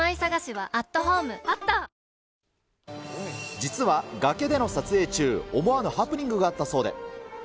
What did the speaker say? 実は崖での撮影中、思わぬハプニングがあったそうで。